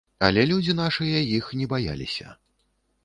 Але людзі нашыя іх не баяліся.